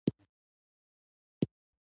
اوس هم هغه ونې پر هغه ډول شته.